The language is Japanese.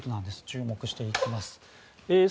注目していきましょう。